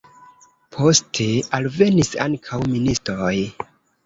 Poste alvenis ankaŭ ministoj.